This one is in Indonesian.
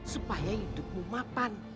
supaya hidupmu mapan